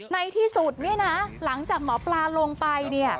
ในที่สุดเนี่ยนะหลังจากหมอปลาลงไป